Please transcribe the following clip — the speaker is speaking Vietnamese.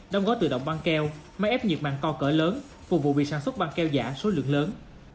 đong gói tự động băng keo máy ép nhiệt màng co cỡ lớn phục vụ việc sản xuất băng keo giả số lượng lớn